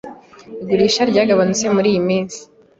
Igurisha ryaragabanutse muriyi minsi.